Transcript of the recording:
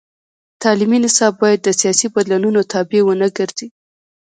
تعلیمي نصاب باید د سیاسي بدلونونو تابع ونه ګرځي.